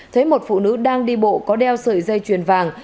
thấy một phụ nữ đang đi bộ có đeo sợi dây chuyền vàng